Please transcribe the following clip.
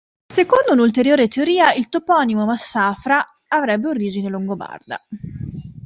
Secondo un'ulteriore teoria il toponimo Massafra avrebbe origine longobarda.